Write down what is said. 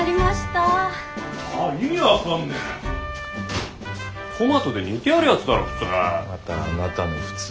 トマトで煮てあるやつだろ普通。